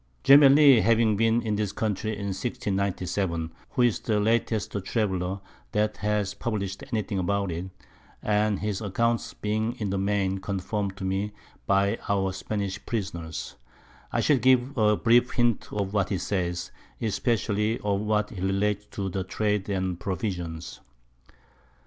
Gemelli having been in this Country in 1697, who is the latest Traveller that has publish'd any thing about it, and his Accounts being in the main confirmed to me by our Spanish Prisoners, I shall give a brief Hint of what he says, especially of what relates to Trade and Provisions.